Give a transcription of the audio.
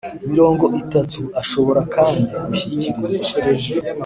mirongo itatu Ashobora kandi gushyikiriza